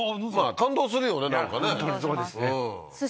感動するよね何かね。